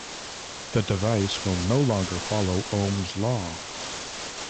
The device will no longer follow Ohm's law.